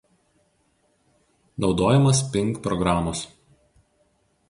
Naudojamas "ping" programos.